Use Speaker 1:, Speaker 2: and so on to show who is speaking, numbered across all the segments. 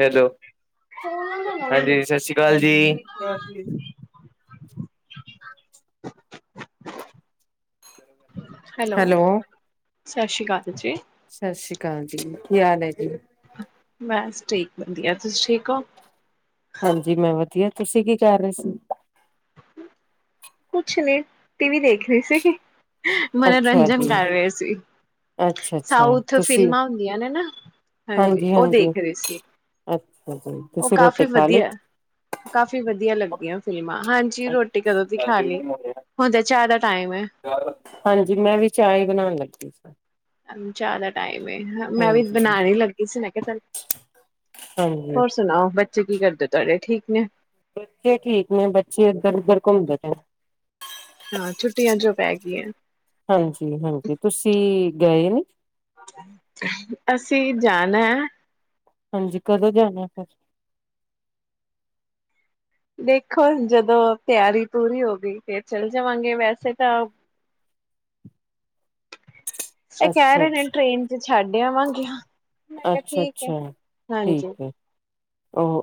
Speaker 1: Hello ਹਾਂਜੀ ਸਤਿ ਸ਼੍ਰੀ ਅਕਾਲ ਜੀ
Speaker 2: ਹੈਲੋ ਹੈਲੋ ਸਤਿ ਸ਼੍ਰੀ ਅਕਾਲ ਜੀ
Speaker 1: ਸਤਿ ਸ੍ਰੀ ਅਕਾਲ ਜੀ ਕੀ ਹਾਲ ਹੈ ਜੀ
Speaker 2: ਬਸ ਠੀਕ ਬਣਦੀ ਆ ਤੁਸੀਂ ਠੀਕ ਹੋ
Speaker 1: ਹਾਂਜੀ ਮੈਂ ਵਧੀਆ ਤੁਸੀਂ ਕੀ ਕਰ ਰਹੇ ਸੀ
Speaker 2: ਕੁਛ ਨੀ ਟੀ ਵੀ ਦੇਖ ਰਹੀ ਸੀਗੀ
Speaker 1: ਅੱਛਾ
Speaker 2: ਮਨੋਰੰਜਨ
Speaker 1: ਜੀ
Speaker 2: ਕਰ ਰਹੇ ਸੀ
Speaker 1: ਅੱਛਾ ਅੱਛਾ
Speaker 2: ਸਾਊਥ
Speaker 1: ਤੁਸੀਂ
Speaker 2: ਫਿਲਮਾਂ ਹੁੰਦੀਆਂ ਨੇ ਨਾ ਹਾਂਜੀ ਉਹ ਦੇਖਦੇ ਸੀ
Speaker 1: ਅੱਛਾ ਜੀ
Speaker 2: ਉਹ
Speaker 1: ਤੁਸੀਂ
Speaker 2: ਕਾਫੀ
Speaker 1: ਰੋਟੀ ਖਾ ਲਈ
Speaker 2: ਵਧੀਆ ਕਾਫੀ ਵਧੀਆ ਲੱਗਦੀਆਂ ਫਿਲਮਾਂ ਹਾਂਜੀ ਰੋਟੀ ਕਦੋਂ ਦੀ ਖਾ ਲਈ ਹੁਣ ਤਾਂ ਚਾਹ ਦਾ ਟਾਈਮ ਹੈ
Speaker 1: ਹਾਂਜੀ ਮੈਂ ਵੀ ਚਾ ਬਣਾਉਣ ਲੱਗੀ ਠੀਕ ਹੈ
Speaker 2: ਚਿਆਦਾ ਟਾਈਮ ਮੈਂ ਵੀ
Speaker 1: ਹਾਂਜੀ
Speaker 2: ਬਣਾਉਣ ਲੱਗੀ ਸੀ ਕਿਹਾ ਚੱਲ
Speaker 1: ਹਾਂਜੀ
Speaker 2: ਹੋਰ ਸੁਣਾੋ ੇ ਕੀ ਕਰਦੇ ਤੁਹਾਡੇ ਠੀਕ ਨੇ
Speaker 1: ਬੱਚੇ ਠੀਕ ਨੇ ਬੱਚੇ ਇੱਧਰ ਉਧਰ ਘੁੰਮਦੇ
Speaker 2: ਹਾਂ ਛੁੱਟੀਆਂ ਚ ਪੈ ਗਈ ਹੈ
Speaker 1: ਹਾਂਜੀ ਹਾਂਜੀ ਤੁਸੀਂ ਗਏ ਨੀ
Speaker 2: ਅਸੀਂ ਜਾਣਾ ਹੈ
Speaker 1: ਹਾਂਜੀ ਕਦੋਂ ਜਾਣਾ ਫਿਰ
Speaker 2: ਦੇਖੋ ਜਦੋਂ ਤਿਆਰੀ ਪੂਰੀ ਹੋ ਗਈ ਫ ਚੱਲ ਜਾਵਾਂਗੇ ਵੈਸੇ ਤਾਂ ਇਹ ਕਹਿ
Speaker 1: ਅੱਛਾ ਅੱਛਾ
Speaker 2: ਰਹੇ ਨੇ ਟ੍ਰੇਨ ਚ ਛੱਡ ਆਵਾਂਗੇ ਮੈਂ ਕਿਹਾ
Speaker 1: ਅੱਛਾ
Speaker 2: ਠੀਕ ਹੈ ਹਾਂਜੀ
Speaker 1: ਆਹੋ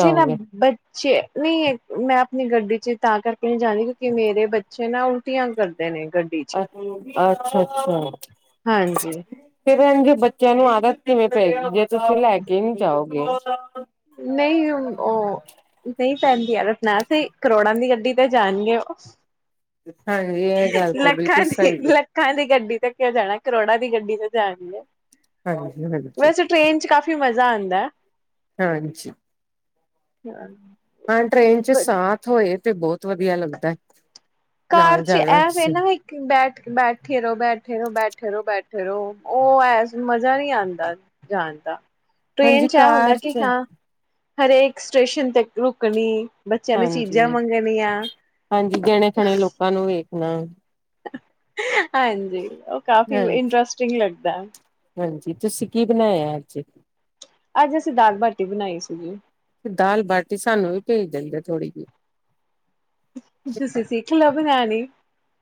Speaker 2: ਥੇ ਨਾ ਬੱਚੇ ਨਹੀਂ ਹੈ ਮੈਂ ਆਪਣੀ ਗੱਡੀ ੇ ਤਾਂ ਕਰਕੇ ਨਹੀਂ ਜਾਂਦੀ ਕਿਉਂਕਿ ਮੇਰੇ ਬੱਚੇ ਨਾ ਉਲਟੀਆਂ ਕਰਦੇ ਨੇ ਗੱਡੀ ਚ
Speaker 1: ਅ ਅੱਛਾ ਅੱਛਾ
Speaker 2: ਹਾਂਜੀ
Speaker 1: ਫਿਰ ਇਹ ਜੇ ਬੱਚਿਆਂ ਨੂੰ ਆਦਤ ਧੀਂ ਪੈ ਤੁਸੀਂ ਲੈ ਕੇ ਨਹੀਂੀ ਜਾਓਗੇ ਹ
Speaker 2: ਨਹੀਂ ਉਹ ਨਹੀਂ ਪੈਂਦੀਆਂ ਦ ਸੁਣਾ ਸੀ ਕਰੋੜਾਂ ਦੀ ਗੱਡੀ ਤੇ ਜਾਣਗੇ ਉਹ
Speaker 1: ਹਾਂਜੀ ਇਹ ਗੱਲ ਤਾਂ ਬਿਲਕੁਲ
Speaker 2: ਲੱਖਾਂ ਦੀ
Speaker 1: ਸਹੀ ਹੈ
Speaker 2: ਲੱਖਾਂ ਦੀ ਗੱਡੀ ਤੇੱਕਉ ਜਾਣਾ ਕਰੋੜਾਂ ਦੀ ਗੱਡੀ ਜਾਣਏ
Speaker 1: ਹਾਂਜੀ ਹਾਂਜੀ।
Speaker 2: ਵੈਸੇ ਟ੍ਰੇਨ ਚਚ ਕਾਫੀ ਮਜ਼ਾ ਆਉਂਦਾ
Speaker 1: ਹਾਂਜੀ
Speaker 2: ਹਮ
Speaker 1: ਹਾਂ ਟ੍ਰਰੇਨ ਚ ਸਾਥ ਹੋਏ ਤੇ ਬਹੁਤ ਵਧੀਆ ਲੱਗਦਾ
Speaker 2: ਕਾਰ
Speaker 1: ਨਾਲ
Speaker 2: ਚ
Speaker 1: ਜਾਣਾ
Speaker 2: ਐ ਵ
Speaker 1: ਤੁਸੀਂ
Speaker 2: ਨਾ ਇੱਕ ਬੈ ਬੈਠੇ ਰਹੋ ਬੈਠੇ ਰਹੋ ਬੈਠੇ ਰਹੋ ਬੈਠੇ ਰਹੋ ਉਹ ਐ ਮਜ਼ਾ ਨਹੀਂੀ ਆਉਂਦਾ ਜਾਣ ਦਾ ਟ੍ਰੇਨ
Speaker 1: ਹਾਂਜੀ
Speaker 2: ਚ ਆ ਹੁੰਦਾ
Speaker 1: ਕਾਰ
Speaker 2: ਕਿ
Speaker 1: ਚ
Speaker 2: ਹਾਂ ਹਰੇਕ ਸਟੇਸ਼ਨ ਤੇ ਰੁਕਣੀ ਬੱਚਿਆਂ ਨੇ ਚੀਜ਼ਾਂ
Speaker 1: ਹਾਂਜੀ।
Speaker 2: ਮੰਗਣੀਆਂ
Speaker 1: ੱਖਣੇ ਲੋਕਾਂ ਨੂੰ ਵੀ ਨਾ
Speaker 2: ਹਾਂਜੀ ਉਹ ਕਾਫੀ
Speaker 1: ਹਾਂਜੀ
Speaker 2: ਇੰਟਰਸਟਿੰਗ ਲੱਗਦਾ ਹੈ
Speaker 1: ਹਾਂਜੀ ਤੁਸੀਂ ਕੀ ਬਣਾਏ ਆ ਅੱਜ
Speaker 2: ਅੱਜ ਅਸੀਂ ਦਾਲ ਬਾਟੀ ਬਣਾਈ ਸੀਗੀੀ
Speaker 1: ਤੇ ਦਾਲ ਬਾਟੀ ਸਾਨੂੰ ਵੀ ਭੇਜ ਦਿੰਦੇ ਥੋੜ੍ਹੀ ਜਿਹੀ
Speaker 2: ਤੁਸੀਂ ਸਿੱਖ ਲ ਬਣਾਣੀ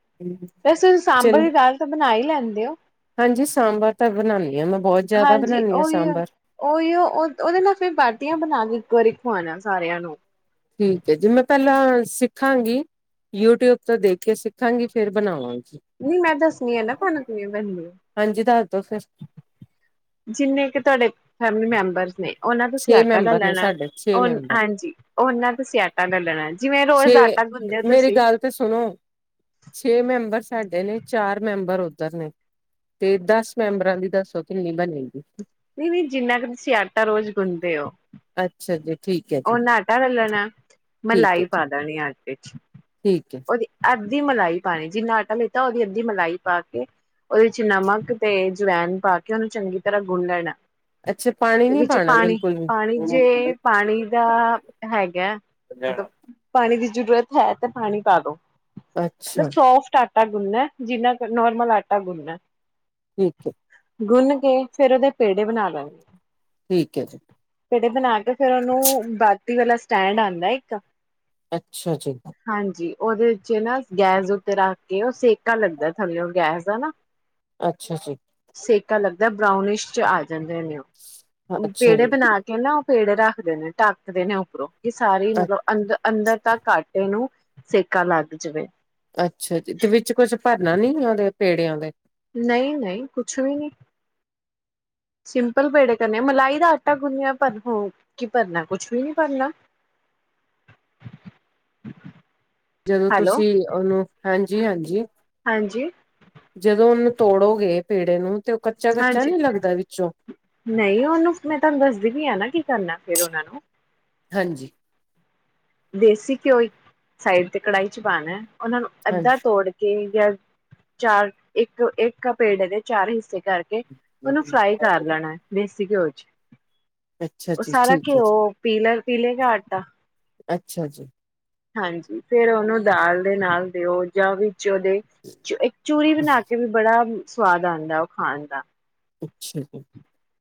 Speaker 1: ਜਿਹੀ
Speaker 2: ਵੈਸੇ ਸਾਂਬਰ
Speaker 1: ਚਲੋ
Speaker 2: ਦੀ ਦਾਲ ਤਾਂ ਬਣਾ ਹੀ ਲੈਂਦੇ ਹੋ
Speaker 1: ਹਾਂਜੀ ਸਾਂਬਰ ਤਾਂ ਬਣਾਉਦੀ ਹਾਂ ਮੈਂ ਬਹੁਤ ਜ਼ਿਆਦਾ
Speaker 2: ਹਾਂਜੀ
Speaker 1: ਬਣਾਉਦੀ ਹਾਂ
Speaker 2: ਉਹੀ
Speaker 1: ਸਾਂਬਰ
Speaker 2: ਉਹੀਓ ਉਹ ਉਹਦੇ ਨਾਲ ਫੇਿਰ ਬਾਟੀਆਂ ਬਣਾ ਕੇ ਇੱਕ ਵਾਰੀ ਹੋ ਨਾ ਸਾਰਿਆਂ ਨੂੰ
Speaker 1: ਠੀਕ ਹੈ ਜੀ ਮੈਂ ਪਹਿਲਾਂ ਸਿੱਖਾਂਗੀ ਯੂਟਿਊਬ ਤੋਂ ਦੇਖ ਕੇ ਸਿੱਖਾਂਗੀ ਫੇਰ ਬਣਾਵਾਂਗੀ
Speaker 2: ਨਹੀਂ ਮੈਂ ਦੱਸਣੀ ਆ ਨਾ ਤੁਹਾਨ ਕਿਵੇਂ ਬਣਦੀ
Speaker 1: ਹਾਂਜੀ ਦੱਸ ਦੋ ਫਿਰ
Speaker 2: ਜਿੰਨੇ ਕਿ ਤੁਹਾਡੇ ਫੈਮਲੀ ਮੈਂ ਬਰਸ ਨੇ ਉਹਨਾਂ ਤੋਂ
Speaker 1: ਛੇ
Speaker 2: ਸਿਆਟਾ ਲ
Speaker 1: ਮੈਂਬਰ ਨੇ
Speaker 2: ਲੈਣਾ
Speaker 1: ਸਾਡੇ ਛੇ
Speaker 2: ਉਹ
Speaker 1: ਮੈਂਬਰ
Speaker 2: ਹਾਂਜੀ ਉਹਨਾਂ ਦਾ ਸਿਆਟਾ ਲੈ ਲ [unintelligible]
Speaker 1: ਛੇ ਮੇਰੀ ਗੱਲ ਤੇ ਸੁਣੋ ਛੇ ਮੈਂਬਰ ਸਾਡੇ ਨੇ ਚਾਰ ਮੈਂਬਰ ਉੱਧਰ ਨੇ ਤੇ ਦਸ ਮੈਂਬਰਾਂ ਦੀ ਦੱਸੋ ਕਿੰਨੀ ਬਣੇਗੀ
Speaker 2: ਨਹੀਂ ਨਹੀਂ ਜਿੰਨਾ ਕੁ ਤੁਸੀਂ ਆਟਾ ਰੋਜ਼ ਗੁੰਦੇ ਹੋ
Speaker 1: ਅੱਛਾ ਜੀ ਠੀਕ ਹੈ ਜੀ
Speaker 2: ਉਹਨਾਂ ਆਟਾ ਲੈ ਲੈਣਾ।
Speaker 1: ਠੀਕ ਹੈ
Speaker 2: ਮਲਾਈ
Speaker 1: ਜੀ
Speaker 2: ਪਾ ਦੇਣੀ ਆ ਅੱਧ
Speaker 1: ਠੀਕ ਹੈ
Speaker 2: [inaudible] ਉਹਦੀ ਅੱ ਅਧੀ ਮਲਾਈ ਪਾਣੀ ਜਿੰਨਾ ਆਟਾ ਲਿੱਤਾ ਉਹਦੀ ਅੱਧੀ ਮਲਾਈ ਪਾ ਕੇ ਉਹਦੇ ਵਿੱਚ ਨਮਕ ਤੇ ਜਵੈਨ ਪਾ ਕੇ ਉਹਨੂੰ ਚੰਗੀ ਤਰ੍ਹਾਂ ਗੁੰਨ ਲੈਂਣਾਂ
Speaker 1: ਅੱਛਾ ਪਾਣੀ ਨੀ ਪਾਉਣਾ ਬਿਲਕੁਲ ਵੀ
Speaker 2: ਜੇ ਪਾਣੀ ਹੈਗਾ ਮਤਲਬ ਪ ਦੀ ਜ਼ਰੂਰਤ ਹੈ ਤੇ ਪਾਣੀ ਪਾਲੋ
Speaker 1: ਅੱਛਾ
Speaker 2: ਸੋਫਟ ਆ ਆਟਾ ਗੁਣ ਨੇ ਹੈ ਜਿੰਨਾ ਨੋਰਮਲ ਆਟਾ ਗੁਣ ਨੇ
Speaker 1: ਠੀਕ ਹੈ।
Speaker 2: ਫਿਰ ਉਹਦੇ ਪੇੜੇ ਬਣਾ ਲੋਉ
Speaker 1: ਠੀਕ ਹੈ ਜੀ।
Speaker 2: ਪੇੜੇ ਬਣਾ ਕੇ ਫਿਰ ਉਹਨੂੰ ਡੀ ਵਾਲਾ ਸਟੈਂਡ ਆਉਂਦਾ ਇੱਕ
Speaker 1: ਅੱਛਾ ਜੀ।
Speaker 2: ਹਾਂਜੀ ਉਹਦੇ ਵਿਚ ਨਾ ਗੈਸ ਉੱਤੇ ਰੱਖ ਕੇ, ਉਹ ਸੇਕਾ ਲੱਗਦਾ ਥੱਲੇਓ ਗੈਸ ਦਾ ਨਾ
Speaker 1: ਅੱਛਾ ਜੀ।
Speaker 2: ਸੇਕਾ ਲਗਦਾ ਬ੍ਰਾਊਨਿਸ਼ ਚ ਆ ਜਾਂਦੇ ਨੇ ਉਹ
Speaker 1: ਅੱਛਾ
Speaker 2: ਪੇੜੇ
Speaker 1: ਜੀ
Speaker 2: ਬਣਾ ਕੇ ਨਾ ਪੇੜੇ ਰੱਖਦੇ ਨੇ ਢੱਕ ਦੇਂ ਨੇ ਉੱਪਰੋਂ ਸਾਰੀ ਮਤਲਬ ਅੰਦਰ ਅੰਦਰ ਤ ਘੱਟ ਇਹਨੂੰ ਸੇਕਾ ਲੱਗ ਜਾਵੇ
Speaker 1: ਅੱਛਾ ਜੀ। ਤੇ ਵਿੱਚ ਕੁਛ ਭਰਨਾ ਨੀ ਉਹਨਾਂ ਦੇ ਪੇੜਿਆਂ ਦੇ
Speaker 2: ਨਹੀਂ-ਨਹੀਂ ਕੁਛ ਵੀ ਨਹੀਂ ਸਿੰਪਲ ਪੇੜੇ ਕਰਨੇ ਮਲਾਈ ਦਾ ਆਟਾ ਗੁੰਨਿਆ ਭਰੋ ਕੀ ਭਰਨਾ ਕੁਛ ਵੀ ਨਹੀਂ ਭਰਨਾ
Speaker 1: ਜਦੋਂ
Speaker 2: ਹੈਲੋ
Speaker 1: ਤੁਸੀਂ ਉਹਨੂੰ ਹਾਂਜੀ-ਹਾਂਜੀ
Speaker 2: ਹਾਂਜੀ
Speaker 1: ਜਦੋਂ ਉਹਨੂੰ ਤੋੜੋਗੇ ਪੇੜੇ ਨੂੰ ਤੇ ਉਹ ਕੱਚਾ ਕੱਚਾ
Speaker 2: ਹਾਂਜੀ
Speaker 1: ਨੀ ਲੱਗਦਾ ਵਿੱਚੋਂ
Speaker 2: ਨਹੀਂ ਉਹਨੂੰ ਮੈਂ ਤੁਹਾਨੂੰ ਦੱਸਦੀ ਪੀ ਹਾਂ ਨਾ ਕੀ ਕਰਨਾ ਫੇਰ ਉਹਨਾਂ ਨੂੰ
Speaker 1: ਹਾਂਜੀ
Speaker 2: ਦੇਸੀ ਘਿਓ ਇੱਕ ਸਾਈਡ ਤੇ ਕੜਾਹੀ ਚ ਪਾਉਣਾ ਉਹਨਾਂ ਨੂੰ ਅੱਧਾ
Speaker 1: ਹਾਂਜੀ
Speaker 2: ਤੋੜ ਕੇ ਚਾਰ ਇੱਕ-ਇੱਕ ਪੇੜੇ ਦੇ ਚਾਰ ਹਿੱਸੇ ਕਰਕੇ ਉਹਨੂੰ ਫਰਾਈ ਕਰ ਲੈਣਾ ਦੇਸੀ ਘਿਓ ਚ
Speaker 1: ਅੱਛਾ
Speaker 2: ਉਹ
Speaker 1: ਜੀ
Speaker 2: ਸਾਰਾ
Speaker 1: ਠੀਕ ਹੈ
Speaker 2: ਘਿਓ
Speaker 1: ਜੀ
Speaker 2: ਪੀਲਰ ਪੀਲੇ ਗਾ ਆਟਾ
Speaker 1: ਅੱਛਾ ਜੀ
Speaker 2: ਹਾਂਜੀ ਫੇਰ ਉਹਨੂੰ ਦਾਲ ਦੇ ਨਾਲ ਦਿਓ ਜਾਂ ਵੀ ਉਹਦੇ ਇੱਕ ਚੂਰੀ ਬਣਾ ਕੇ ਵੀ ਬੜਾ ਸਵਾਦ ਆਉਂਦਾ ਉਹ ਖਾਣ ਦਾ
Speaker 1: ਅੱਛਾ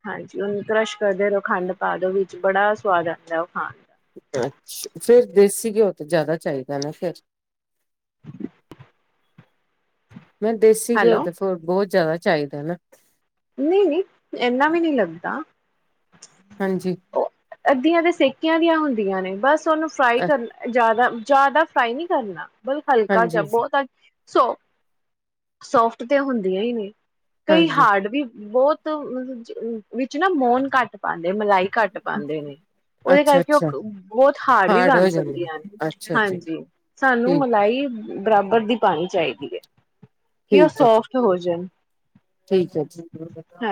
Speaker 2: ਹਾਂਜੀ ਉਹਨੂੰ ਕਰਸ਼ ਕਰਦੇ ਰਹੋ ਖੰਡ ਪਾ ਦਿਓ ਵਿੱਚ ਬੜਾ ਸਵਾਦ ਆਉਂਦਾ ਉਹ ਖਾਣ ਦਾ
Speaker 1: ਅੱਛਾ ਫਿਰ ਦੇਸੀ ਘਿਓ ਤੇ ਜ਼ਿਆਦਾ ਚਾਹੀਦਾ ਨਾ ਫਿਰ
Speaker 2: [inaudible]
Speaker 1: ਮੈਂ ਦੇਸੀ ਘਿਓ
Speaker 2: ਹੈਲੋ
Speaker 1: ਤੇ ਫ ਬਹੁਤ ਜ਼ਿਆਦਾ ਚਾਹੀਦਾ ਨਾ
Speaker 2: ਨਹੀਂ ਨਹੀਂ ਇਨਾ ਵੀ ਨਹੀਂ ਲੱਗਦਾ
Speaker 1: ਹਾਂਜੀ
Speaker 2: ਉਹ ਅੱਧੀਆਂ ਦੇ ਸੇਕੇ ਦੀਆਂ ਹੁੰਦੀਆਂ ਨੇ ਬਸ ਤੁਨੂੰ ਫਰਾਈ
Speaker 1: ਅ
Speaker 2: ਕਰ ਜ਼ਿਆਦਾ ਜ਼ਿਆਦਾ ਫਰਾਈ ਨਹੀ ਕਰਨਾ। ਬਹੁਤਹਲਕਾ ਚ
Speaker 1: ਹਾਂਜੀ
Speaker 2: ਬਹੁਤ ਸੋ ਸੋਫਟ ਤੇ ਹੁੰਦੀਆਂ ਹੀ ਨਹੀ। ਕਈ
Speaker 1: ਹਾਂਜੀ
Speaker 2: ਹਾਰਡ ਬਹੁਤ ਵਿੱਚ ਨਾ ਮੋਨ ਘੱਟ ਪਾ ਮਲਾਈ ਘੱਟ ਪਾਉਂਦੇ ਨੇ ਉਹਦੇ
Speaker 1: ਅੱਛਾ
Speaker 2: ਕਰਕੇ ਉਹ
Speaker 1: ਅੱਛਾ
Speaker 2: ਬਹੁਤ ਹਾਰਡ ਵੀ
Speaker 1: ਹੋ
Speaker 2: ਬਣ
Speaker 1: ਜਾਂਦਾ
Speaker 2: ਸਕਦੀਆਂ ਨੇ
Speaker 1: ਅੱਛਾ ਜੀ
Speaker 2: ਹਾਂਜੀ ਸਾਨੂੰ
Speaker 1: ਠੀਕ
Speaker 2: ਮਲਾਈ ਬਰਾਬਰ ਦੀ ਪਾਣੀ ਚਾਹੀਦੀ ਹੈ। ਕਿ ਉਹ
Speaker 1: ਠੀਕ ਹੈ ਜੀ
Speaker 2: ਸੋਫਟ ਹੋ ਜਾਏ।
Speaker 1: ਠੀਕ ਹੈ। [inaudible]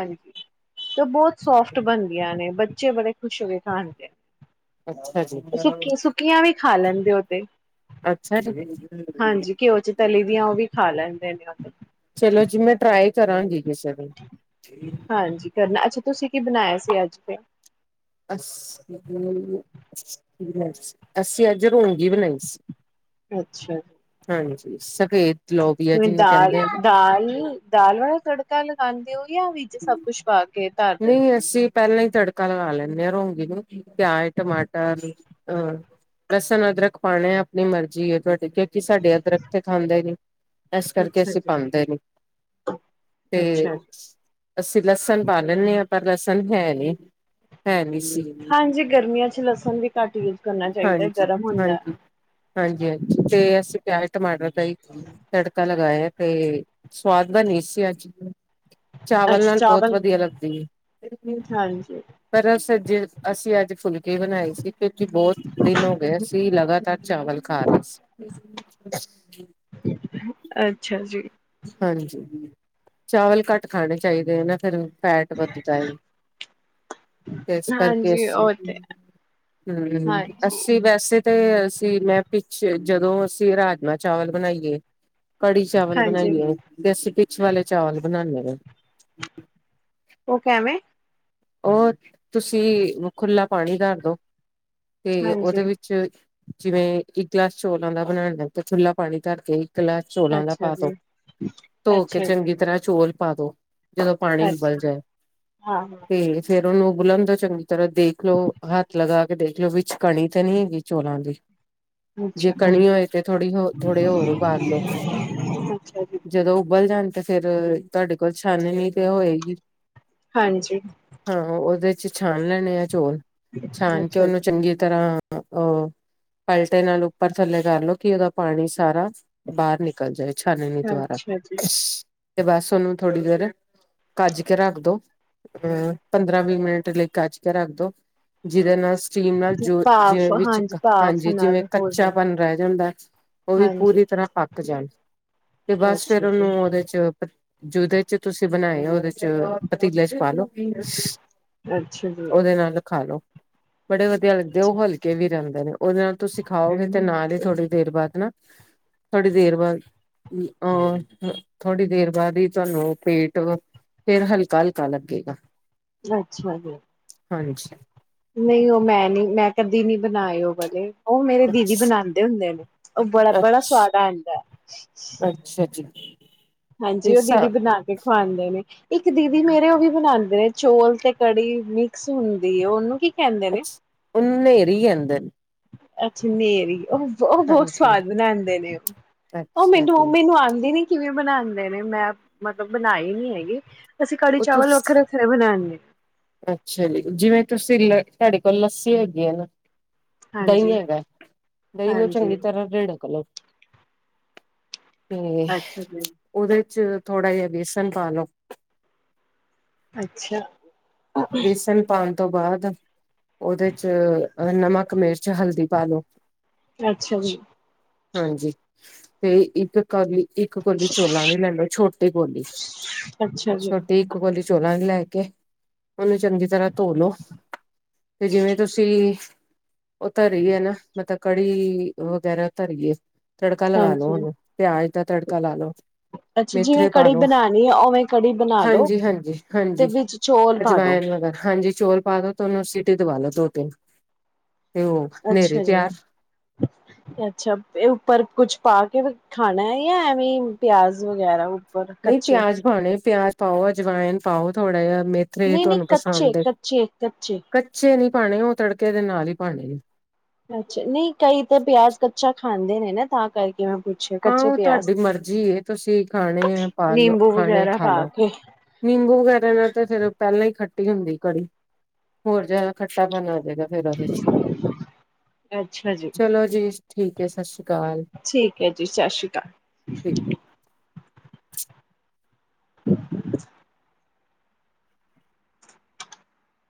Speaker 2: ਬਹੁਤ ਸੋਫਟ ਬਣਦੀਆਂ ਨੇ ਬੱਚੇ ਬੜੇ ਖੁਸ਼ ਹੋ। ਕੇ ਖਾਣਗੇ
Speaker 1: ਅੱਛਾ ਜੀ
Speaker 2: ਸੁੱਕੀ ਸੁੱਕੀਆਂ ਵੀ ਖਾ ਲੈਣ ਹੋ ਤੇ
Speaker 1: ਅੱਛਾ ਜੀ
Speaker 2: ਹਾਂਜੀ ਘਿਓ ਚ ਤਲੀ ਦੀਆਂ ਉਹ ਵੀ ਖਾ ਲੈਣ ਧੰਨੇ ਵਾਦ
Speaker 1: ਚਲੋ ਜੀ ਮੈਂ ਟਰਾਈ ਕਰਾਂਗੀ। ਕਿਸੇ ਦਿਨ
Speaker 2: ਹਾਂਜੀ ਕਰਨਾ ਅੱਛਾ ਤੁਸੀਂ ਕੀ ਬਣਾਇਆ ਸੀ। ਅੱਜ ਤੇ
Speaker 1: ਅੱਸੀਂ ਅੱਜ ਰੋਂਗੀ ਬਣਾਈ ਸੀ।
Speaker 2: ਅੱਛਾ ਜੀ।
Speaker 1: ਹਾਂਜੀ ਸਬ
Speaker 2: ਕਿਵੇਂ ਦਾਲ-ਦਾਲ ਵਾਲਾ ਤੜਕਾ ਲਗਾਉਂਦੇ ਹੋ ਯਾ ਵਿੱਚ ਸਭ ਕੁਛ ਪਾ ਕੇ। ਧਰ
Speaker 1: ਨਹੀਂ
Speaker 2: ਦਿੰਦੇ
Speaker 1: ਅਸੀਂ ਪਹਿਲਾਂ ਤੜਕਾ ਲਗਾ ਲੈਂਦੇ ਹਾਂ ਰੋਂਗੀ ਨੂੰ ਪਿਆਜ, ਟਮਾਟਰ, ਲਸਣ, ਅਦਰਕ ਪਾਉਣੇ ਆਪਣੀ ਮਰਜ਼ੀ ਤੁਹਾਡੀ ਕੀ ਸਾਡੇ ਅਦਰੱਖ ਤੇ ਖਾਂਦੇ ਨਹੀ। ਇਸ
Speaker 2: ਹੋ
Speaker 1: ਕਰਕੇ
Speaker 2: ਅੱਛਾ
Speaker 1: ਅਸੀਂ
Speaker 2: ਜੀ
Speaker 1: ਪਾਉਂਦੇ ਨਹੀਂ ਤੇ
Speaker 2: ਅੱਛਾ ਜੀ
Speaker 1: ਅਸੀਂ ਲਸਣ ਪਰ ਲਸਣ ਹੈ ਨੀ, ਹੈ ਨੀ। ਸੀ
Speaker 2: ਹਾਂਜੀ ਗਰਮੀਆਂ ਚ ਲਸਣ ਵੀ ਘੱਟ ਕਰਨਾ ਚਾਹੀਦਾ ਗਰਮ ਹੁੰਦਾ
Speaker 1: ਹਾਂਜੀ-ਹਾਂਜੀ, ਹਾਂਜੀ-ਹਾਂਜੀ ਤੇ ਅਸੀਂ ਪਿਆਜ, ਟਮਾਟਰ ਦਾ ਹੀ ਤੜਕਾ ਲਗਾ ਤੇ ਸਵਾਦ ਬਣੀ ਸੀ ਅੱਜ। ਚਾਵਲ
Speaker 2: ਅੱਛਾ
Speaker 1: ਨਾਲ ਬਹੁਤ
Speaker 2: ਚਾਵਲ
Speaker 1: ਵਧੀਆ ਲੱਗਦੀ ਹੈ
Speaker 2: ਹਾਂਜੀ
Speaker 1: ਪਰ ਅ ਜੇ ਅਸੀਂ ਅੱਜ ਫੁਲਕੇ ਬਣਾਏ ਸੀ। ਬਹੁਤ ਦਿਨ ਹੋ ਗਏ ਸੀ ਲਗਾਤਾਰ ਚਾਵਲ ਖਾ ਰਹੇ ਸੀ।
Speaker 2: ਅੱਛਾ ਜੀ।
Speaker 1: ਹਾਂਜੀ ਚਾਵਲ ਘੱਟ ਖਾਣੇ ਚਾਹੀਦੇ ਆ ਨਾ ਫੇਰ ਫੈਟ ਵੱਧਦਾ ਇਸ ਕਰਕੇ
Speaker 2: ਹਾਂਜੀ
Speaker 1: ਅਸੀ
Speaker 2: ਉਹ ਤੇ
Speaker 1: ਹਮ
Speaker 2: ਹਾਂਜੀ
Speaker 1: ਅੱਸੀ ਵੈਸੇ ਤੇ ਅਸੀਂ ਮੈਂ ਪਿੱਛੇ ਜਦੋਂ ਅਸੀਂ ਰਾਜਮਾਂ-ਚਾਵਲ ਬਣਾਈਏ। ਕੜੀ-ਚਾਵਲ
Speaker 2: ਹਾਂਜੀ
Speaker 1: ਬਣਾਈਏ ਤੇ ਸੀ ਪਿਚ ਵਾਲੇ ਚਾਵਲ ਬਨਾਨੇ ਹਮ
Speaker 2: ਉਹ ਕੈਵੇ?
Speaker 1: ਉਹ ਤੁਸੀਂ ਖੁਲਾ ਪਾਣੀ ਧਾਰ ਦੋ ਤੇ ਉਹਦੇ
Speaker 2: ਹਾਂਜੀ
Speaker 1: ਵਿੱਚ ਜਿਵੇਂ ਇੱਕ ਗਲਾਸ ਚੋਲਾਂ ਦਾ ਬਣਾਉਣਾ ਤੇ ਖੁੱਲਾ ਪਾਣੀ ਧਰ ਕੇ ਗਲਾਸ ਚੋਲਾਂ ਦਾ
Speaker 2: ਅੱਛਾ
Speaker 1: ਪਾ ਦੋ,
Speaker 2: ਜੀ
Speaker 1: ਧੋ ਕੇ
Speaker 2: ਅੱਛਾ ਜੀ
Speaker 1: ਚੰਗੀ ਤਰ੍ਹਾਂ ਚੋਲ। ਪਾ ਦੋ। ਜਦੋਂ ਪਾਣੀ ਉਬਲ
Speaker 2: ਅੱਛਾ
Speaker 1: ਜਾਏ।
Speaker 2: ਹਾਂ ਹਾਂ
Speaker 1: ਤੇ ਫੇਰ ਉਹਨੂੰ ਉਬੁਲਣ ਤੋਂ ਚੰਗੀ ਤਰ੍ਹਾਂ ਦੇਖਲਓ ਹੱਥ ਲਗਾ ਕੇ ਦੇਖਲ ਵਿੱਚ ਕਣੀ ਤਾਂ ਨਹੀਂ ਹੈਗੀ ਚੋਲਾਂ ਦੀ। ਜੇ
Speaker 2: ਅੱਛਾ,
Speaker 1: ਕਣੀ ਹੋਏ ਤੇ ਥੋੜੀ ਹੋ ਥੋੜੇ ਹੋਰ ਉਬਾਲ ਲੋ
Speaker 2: ਅੱਛਾ ਜੀ,
Speaker 1: ਜਦੋਂ ਉਬਲ ਜਾਂ ਤੇ ਫੇਰ ਤੁਹਾਡੇ ਕੋਲ ਛਾਨਨੀ ਤੇ ਹੋਏਗੀ।
Speaker 2: ਹਾਂਜੀ
Speaker 1: ਵਿੱਚ ਛਾਣ ਲੈਣੇ ਆ ਚੋਲ ਛਣ ਕੇ
Speaker 2: ਅੱਛਾ
Speaker 1: ਉਹਨੂੰ
Speaker 2: ਜੀ।
Speaker 1: ਚੰਗੀ ਤਰ੍ਹਾਂ ਉਹ ਪਲਟੇ ਨਾਲ ਉੱਪਰ ਥੱਲੇ ਕਰਲਓ ਕਿ ਉਹਦਾ ਪਾਣੀ ਸਾਰਾ ਬਾਹਰ ਨਿਕਲ ਜਾਏ ਛਾਨਨੀ ਦੁਆਰਾ
Speaker 2: ਅੱਛਾ ਜੀ,
Speaker 1: ਤੇ ਬਸ ਉਹਨੂੰ ਥੋੜ੍ਹੀ ਦੇਰ ਕੱਜ ਕੇ ਰੱਖ ਦੋ ਅਮ ਪੰਦਰਾਂ ਵੀਹ ਮਿੰਟ ਲਈ ਕਚ ਕੇ ਰੱਖ ਦੋ ਜਿਹਦੇ ਨਾਲ ਸਟੀਮ ਨਾਲ
Speaker 2: ਤੇ
Speaker 1: ਜੋ
Speaker 2: ਭਾਫ਼
Speaker 1: ਜਿਵੇ ਵਿੱਚ
Speaker 2: ਹਾਂਜੀ ਭਾਫ਼
Speaker 1: ਹਾਂਜੀ ਜਿਵੇਂ
Speaker 2: ਨਾਲ ਹੋ ਜਾਣ
Speaker 1: ਕੱਚਾਪਨ ਰਹਿ ਜਾਂਦਾ ਉਹ ਵੀ
Speaker 2: ਹਾਂਜੀ।
Speaker 1: ਪੂਰੀ ਤਰ੍ਹਾਂ ਹੱਕ ਜਾਣ ਤੇ ਬਸ
Speaker 2: ਅੱਛਾ
Speaker 1: ਫੇਿਰ
Speaker 2: ਜੀ,
Speaker 1: ਉਹਨੂੰ ਉਹਦੇ ਚ ਜਿਹਦੇ ਚ ਤੁਸੀਂ ਬਣਾਏ ਉਹਦੇ ਚ ਪੱਤੀ। ਖਾ ਲੋ
Speaker 2: ਅੱਛਾ ਜੀ,
Speaker 1: ਉਹਦੇ ਨਾਲ ਖਾਲੋ। ਬੜੇ ਵਧੀਆ ਲੱਗਦੇ
Speaker 2: ਅੱਛਾ,
Speaker 1: ਉਹ ਹਲਕੇ ਵੀ [unintelligible] ਉਹਦੇ ਨਾਲ ਤੁਸੀਂ ਖਾਓਗੇ ਤੇ ਨਾਲ ਹੀ ਥੋੜੀ ਦੇਰ ਬਾਅਦ ਨਾ ਥੋੜੀ ਦੇਰ ਬਾਅਦ ਅਹ ਥੋੜੀ ਦੇਰ ਬਾਅਦ ਹੀ ਤੁਹਾਨੂੰ ਪੇਟ ਫੇਰ ਹਲਕਾ ਹਲਕਾ ਲੱਗੇਗਾ।
Speaker 2: ਅੱਛਾ ਜੀ
Speaker 1: ਹਾਂਜੀ।
Speaker 2: ਨਹੀਂ ਉਹ ਮੈਂ ਨੀ ਮੈਂ ਕਦੀ ਨੀ ਬਣਾਏ ਉਹ। ਪਹਿਲੇ। ਉਹ ਮੇਰੇ ਦੀਦੀ
Speaker 1: ਅੱਛਾ
Speaker 2: ਬਣਾਂਦੇ ਹੁੰਦੇ ਨੇ ਉਹ ਬੜਾ ਬੜਾ ਸਵਾਦ ਆ ਜਾਂਂਦਾ।
Speaker 1: ਅੱਛਾ ਅੱਛਾ ਜੀ।
Speaker 2: ਹਾਂਜੀ,
Speaker 1: ਤੇ
Speaker 2: ਉਹ
Speaker 1: ਸ
Speaker 2: ਦੀਦੀ ਬਣਾ ਕੇ ਖਵਾਂਦੇ ਨੇ। ਇੱਕ ਦੀਦੀ ਮੇਰੇ ਉਹ ਵੀ ਬਣਾਂਦੇ ਨੇ ਚੋਲ ਤੇ ਕੜੀ ਮਿਕਸ ਹੁੰਦੀ ਐ ਉਹਨੂੰ ਕੀ ਕਹਿੰਦੇ ਨੇ
Speaker 1: ਅੱਛਾ ਨੇਰੀ ਕਹਿੰਦੇ ਨੇ।
Speaker 2: ਅੱਛਾ ਨੇਰੀ ਉਹ ਉਹ ਬਹੁਤ
Speaker 1: ਹਾਂਜੀ
Speaker 2: ਸਵਾਦ ਬਣਾਂਦੇ ਨੇ ਉਹ
Speaker 1: ਅੱਛਾ
Speaker 2: ਮੈਨੂੰ
Speaker 1: ਜੀ
Speaker 2: ਉਹ ਮੈਨੂੰ ਆਂਦੀ ਨੀ। ਕਿਵੇਂ ਬਣਾਂਦੇ ਨੇ ਮੈਂ ਮਤਲਬ ਬਣਾਈ ਨੀ ਹੈਗੀ। ਅਸੀਂ ਕੜੀ
Speaker 1: ਉਹ
Speaker 2: ਚਾਵਲ
Speaker 1: ਤੁਸੀਂ
Speaker 2: ਵੱਖਰੇ ਵੱਖਰੇ [unintelligible]
Speaker 1: ਅੱਛਾ ਜੀ, ਜਿਵੇਂ ਤੁਸੀਂ ਲ ਤੁਹਾਡੇ ਕੋਲ ਲੱਸੀ ਹੈਗੀ ਆ ਨਾ ਦਹੀਂ
Speaker 2: ਹਾਂਜੀ
Speaker 1: ਹੈਗਾ ਦਹੀਂ ਨੂੰ
Speaker 2: ਹਾਂਜੀ
Speaker 1: ਚੰਗੀ ਤਰ੍ਹਾਂ ਰਿਲਕ ਲੋ। ਤੇ
Speaker 2: ਅੱਛਾ ਜੀ
Speaker 1: ਉਹਦੇ। ਕੁ ਥੋੜਾ ਜਿਹਾ ਬੇਸਨ ਪਾਲੋ।
Speaker 2: ਅੱਛਾ।
Speaker 1: ਬੇਸਨ ਪਾ ਤੋਂ ਬਾਅਦ ਉਹਦੇ ਚ ਨਮਕ, ਮਿਰਚ, ਹਲਦੀ ਪਾ ਲੋ।
Speaker 2: ਅੱਛਾ ਜੀ।
Speaker 1: ਹਾਂਜੀ ਤੇ ਇੱਕ ਕਰ ਲਈ ਇੱਕ ਕੋਲੀ ਚੋਲਾਂ ਦੀ ਲੈ ਲੋ ਛੋਟੀ ਕੋਲੀ
Speaker 2: ਅੱਛਾ ਜੀ
Speaker 1: ਛੋਟੀ ਇੱਕ ਕੋਲੀ ਚੋਲਾ ਦੀ ਲੈ ਕੇ ਉਹਨੂੰ ਚੰਗੀ ਤਰ੍ਹਾਂ ਧੋਲੋ। ਤੇ ਜਿਵੇਂ ਤੁਸੀਂ ਉਹ ਧਰੀ ਐ ਨਾ ਮਤਲਬ ਕੜੀ ਵਗੈਰਾ ਧਰੀਏ। ਤੜਕਾ ਲਗਾ ਲੋ
Speaker 2: ਹਾਂਜੀ
Speaker 1: ਉਹਨੂੰ ਪਿਆਜ ਦਾ ਤੜਕਾ ਲਾ ਲੋ
Speaker 2: ਅੱਛਾ
Speaker 1: ਮੇਥਰੇ
Speaker 2: ਜਿਵੇਂ
Speaker 1: ਪਾ
Speaker 2: ਕੜੀ
Speaker 1: ਲਓ
Speaker 2: ਬਣਾਉਣੀ ਹੈ ਉਵੇਂ ਕੜੀ ਬਣਾ ਲੋ
Speaker 1: ਹਾਂਜੀ ਹਾਂਜੀ
Speaker 2: ਤੇ
Speaker 1: ਹਾਂਜੀ।
Speaker 2: ਵਿੱਚ ਚੌਲ ਪਾ ਦੋ
Speaker 1: ਅਜਵਾਇਨ ਵਗੈਰਾ ਹਾਂਜੀ। ਚੋਲ ਪਾ ਦੋ ਤੇ ਉਹਨੂੰ ਸੀਟੀ ਦਵਾ ਲੋ ਦੋ ਤਿੰਨ। ਤੇ ਉਹ ਹਨੇਰੇ
Speaker 2: ਅੱਛਾ ਜੀ,
Speaker 1: ਤਿਆਰ
Speaker 2: ਅੱਛਾ ਇਹ ਉੱਪਰ ਕੁਛ ਪਾ ਕੇ ਫੇਰ ਖਾਣਾ ਹੈ ਜਾਂ ਐਵੇਂ ਪਿਆਜ ਵਗੈਰਾ। ਉੱਪਰ
Speaker 1: ਨਹੀਂ
Speaker 2: ਕੱਚੇ
Speaker 1: ਪਿਆਜ ਪਾਣੇ ਪਿਆਜ ਪਾਉ ਅਜਵਾਇਨ ਪਾਉ ਥੋੜ੍ਹਾ ਜਿਹਾ ਮੇਥਰੇ
Speaker 2: ਨਹੀਂ ਨਹੀਂ
Speaker 1: ਤੁਹਾਨੂੰ
Speaker 2: ਕੱਚੇ
Speaker 1: ਪਸੰਦ ਐ,
Speaker 2: ਕੱਚੇ ਕੱਚੇ
Speaker 1: ਕੱਚੇ ਨੀ ਭੈਣੇ ਉਹ ਤੜਕੇ ਦੇ ਨਾਲ ਹੀ ਪਾਣੇ।
Speaker 2: ਅੱਛਾ ਨਹੀਂ ਕਈ ਤੇ ਪਿਆਜ ਕੱਚਾ ਖਾਂਦੇ ਨੇ ਨਾ ਤਾਂ ਕਰਕੇ। ਮੈਂ ਪੁੱਛਿਆ
Speaker 1: ਹਾਂ
Speaker 2: ਕੱਚੇ
Speaker 1: ਉਹ
Speaker 2: ਪਿਆਜ
Speaker 1: ਤੁਹਾਡੀ ਮਰਜ਼ੀ ਆ ਤੁਸੀਂ ਖਾਣੇ ਆ ਪਾ ਲਓ
Speaker 2: ਨਿੰਬੂ
Speaker 1: ਖਾਣੇ ਆ
Speaker 2: ਵਗੈਰਾ
Speaker 1: ਖਾ
Speaker 2: ਪਾ
Speaker 1: ਲਓ
Speaker 2: ਕੇ
Speaker 1: ਨਿੰਬੂ ਵਗੈਰਾ ਨਾਲ ਤਾਂ ਫੇਰ ਪਹਿਲਾਂ ਹੀ ਖੱਟੇ ਖੱਟੀ ਹੁੰਦੀ ਕੜੀ ਹੋਰ ਜ਼ਿਆਦਾ ਖੱਟਾ ਪਣ ਫੇਰ ਉਹਦੇ ਚ
Speaker 2: ਅੱਛਾ ਜੀ
Speaker 1: ਚਲੋ ਜੀ। ਠੀਕ ਹੈ ਸ੍ਰੀ- ਅਕਾਲ
Speaker 2: ਠੀਕ ਹੈ ਜੀ। ਸਤਿ ਸ੍ਰੀ
Speaker 1: ਠੀਕ।
Speaker 2: ਅਕਾਲ। [inaudible]